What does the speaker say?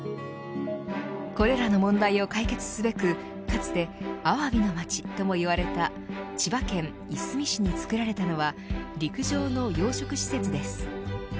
これらの問題を解決すべくかつてアワビの街とも言われた千葉県いすみ市に造られたのは陸上の養殖施設です。